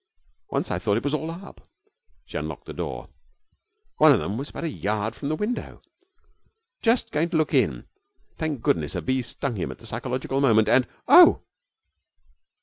Once I thought it was all up.' She unlocked the door. 'One of them was about a yard from the window, just going to look in. Thank goodness, a bee stung him at the psychological moment, and Oh!'